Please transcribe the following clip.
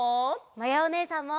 まやおねえさんも！